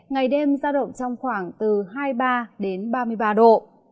ngày đêm giao động trong khoảng từ hai mươi ba đến ba mươi ba độ